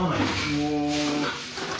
もう。